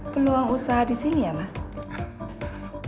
peluang usaha disini ya mas